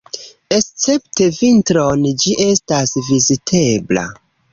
Escepte vintron ĝi estas vizitebla.